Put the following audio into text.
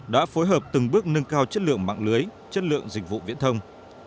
đã phối hợp từng bước nâng cao chất lượng mạng lưới chất lượng dịch vụ viễn thông